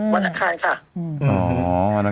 วันอังคารคะ